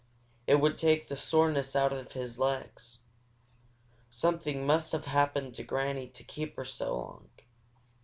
It would take the soreness out of his legs. Something must have happened to Granny to keep her so long.